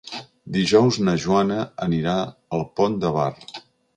Dijous na Joana anirà al Pont de Bar.